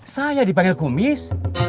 saya dipanggil kumis